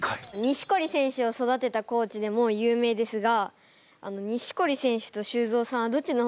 錦織選手を育てたコーチでも有名ですが錦織選手と修造さんはどっちの方がすごいんですか？